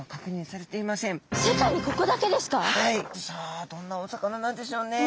さあどんなお魚なんでしょうね。